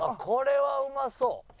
これはうまそう！